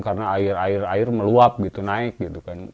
karena air air air meluap gitu naik gitu kan